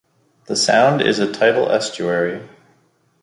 The sound is a tidal estuary.